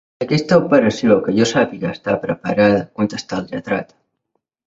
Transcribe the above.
Aquesta operació, que jo sàpiga, està preparada, contesta el lletrat.